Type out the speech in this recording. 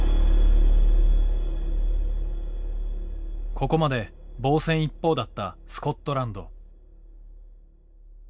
ここまで防戦一方だったスコットランド。